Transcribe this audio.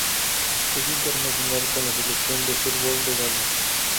Es internacional con la selección de fútbol de Gales.